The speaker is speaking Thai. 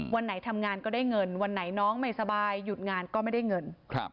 วันไหนทำงานก็ได้เงินวันไหนน้องไม่สบายหยุดงานก็ไม่ได้เงิน